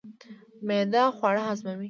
معده خواړه هضموي